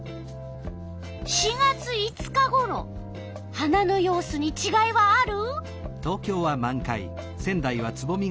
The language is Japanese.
花の様子にちがいはある？